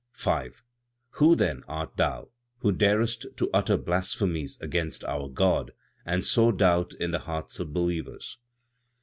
5. "Who, then, art thou, who darest to utter blasphemies against our God and sow doubt in the hearts of believers?"